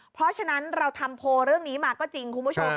เพราะฉะนั้นเราทำโพลเรื่องนี้มาก็จริงคุณผู้ชม